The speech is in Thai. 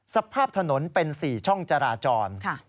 สภาพถนนเป็น๔ช่องจราจร